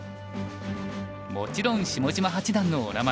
もちろん下島八段のお名前も。